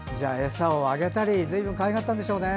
餌をあげたりずいぶんかわいがったんでしょうね。